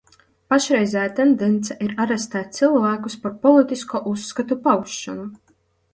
Pašreizējā tendence ir arestēt cilvēkus par politisko uzskatu paušanu.